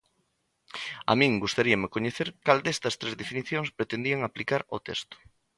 A min gustaríame coñecer cal destas tres definicións pretendían aplicar ao texto.